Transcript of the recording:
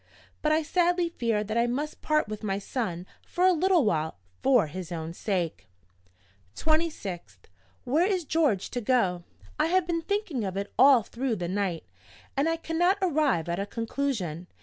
but I sadly fear that I must part with my son for a little while, for his own sake. "26th. Where is George to go? I have been thinking of it all through the night, and I cannot arrive at a conclusion.